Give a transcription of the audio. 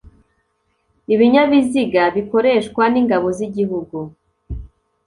ibinyabiziga bikoreshwa n’ Ingabo z’Igihugu